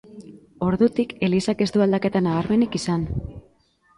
Ordutik elizak ez du aldaketa nabarmenik izan.